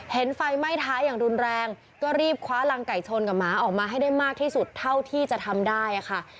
ไฟไหม้ท้ายอย่างรุนแรงก็รีบคว้ารังไก่ชนกับหมาออกมาให้ได้มากที่สุดเท่าที่จะทำได้ค่ะ